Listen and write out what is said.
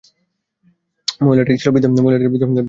মহিলাটি ছিল বৃদ্ধা এবং কাফির।